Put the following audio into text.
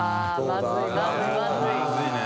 まずいね。